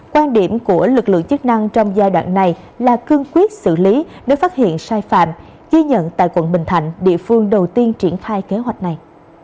quan điểm của lực lượng chức năng trong giai đoạn này là cương quyết xử lý nếu phát hiện sai phạm ghi nhận tại quận bình thạnh địa phương đầu tiên triển khai kế hoạch này